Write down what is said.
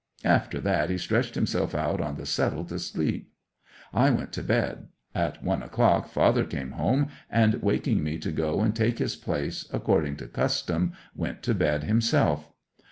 After that he stretched himself out on the settle to sleep. I went to bed: at one o'clock father came home, and waking me to go and take his place, according to custom, went to bed himself.